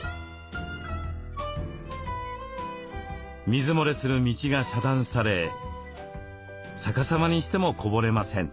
水漏れする道が遮断され逆さまにしてもこぼれません。